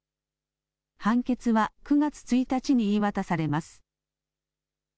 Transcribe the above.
判決は９月１日に言い渡されます。